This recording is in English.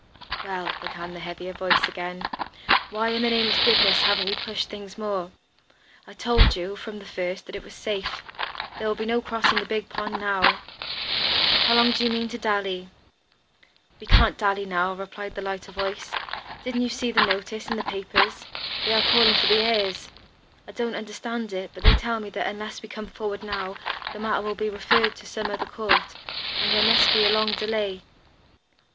"Well," began the heavier voice again, "why in the name of goodness haven't you pushed things more? I told you, from the first, that all was safe. There will be no crossing the big pond now. How long do you mean to dally?" "We can't dally now," replied the lighter voice. "Didn't you see the notice in the papers? They are calling for the heirs. I don't understand it, but they tell me that unless we come forward now, the matter will be referred to some other court, and then there must be a long delay.